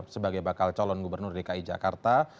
sebagai bakal calon gubernur dki jakarta